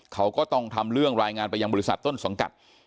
เขาก็ต้องทำเรื่องรายงานไปยังบริษัทต้นสังกัด